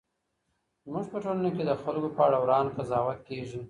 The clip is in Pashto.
زموږ په ټولنه کي د خلګو په اړه وران قضاوت کېږي.